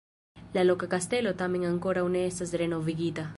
La loka kastelo tamen ankoraŭ ne estas renovigita.